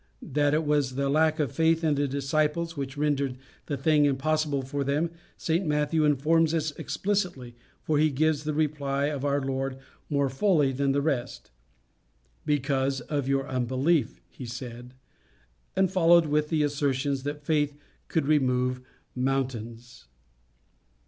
That it was the lack of faith in the disciples which rendered the thing impossible for them, St Matthew informs us explicitly, for he gives the reply of our Lord more fully than the rest: "Because of your unbelief," he said, and followed with the assertion that faith could remove mountains.